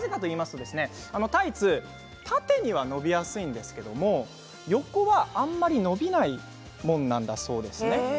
タイツは縦には伸びやすいんですけれども横はあまり伸びないものなんだそうですね。